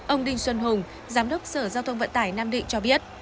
ông đinh xuân hùng giám đốc sở giao thông vận tải nam định cho biết